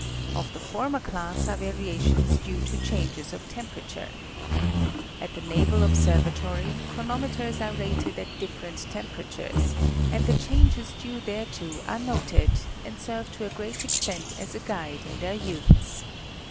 Of the former class are variations due to changes of temperature. At the Naval Observatory, chronometers are rated at different temperatures, and the changes due thereto are noted, and serve to a great extent as a guide in their use.